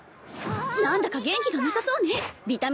何だか元気がなさそうねああ